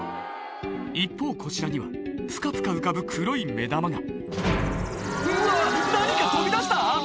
一方こちらにはぷかぷか浮かぶ黒い目玉がうわ何か飛び出した⁉